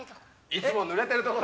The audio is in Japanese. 「いつもぬれてるとこ」